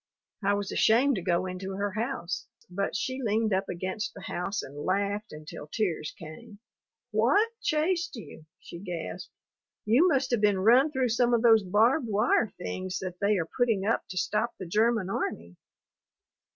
I was ashamed to go into her house, but she leaned up against the house and laughed until tears came. "What chased you?" she gasped. "You must have been run through some of those barbed wire things that they are putting up to stop the German army."